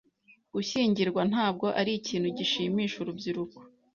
Gushyingirwa ntabwo ari ikintu gishimisha urubyiruko.